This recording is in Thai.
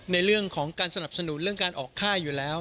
ในเรื่องของการสนับสนุนเรื่องการออกค่ายอยู่แล้ว